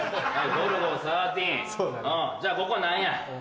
じゃあここ何や？